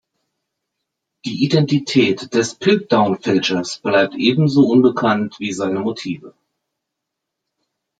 Die Identität des Piltdown-Fälschers bleibt ebenso unbekannt wie seine Motive.